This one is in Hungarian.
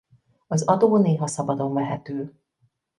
Az adó néha szabadon vehető.